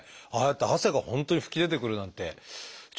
ああやって汗が本当に噴き出てくるなんてええ